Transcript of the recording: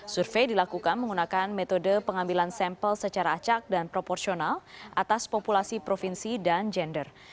survei dilakukan menggunakan metode pengambilan sampel secara acak dan proporsional atas populasi provinsi dan gender